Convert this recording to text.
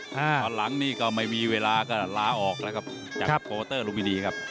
ตอนหลังนี่ก็ไม่มีเวลาก็ลาออกแล้วครับจากโปรเตอร์ลุมินีครับ